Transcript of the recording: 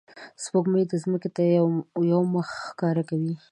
سپوږمۍ ځمکې ته یوه مخ ښکاره کوي